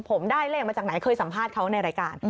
ผมได้เลขมาจากไหนเคยสัมภาษณ์เขาในรายการ